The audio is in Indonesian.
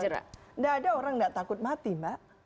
tidak ada orang tidak takut mati mbak